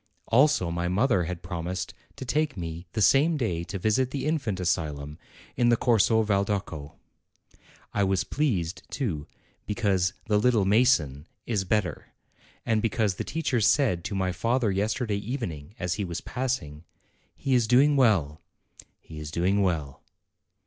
Also my mother had promised to take me the same day to visit the Infant Asylum in the Corso Valdocco. I was pleased, too, because "the little mason" is better, and because the teacher said to my father yesterday evening as he was passing, "He is doing well; he is doing well."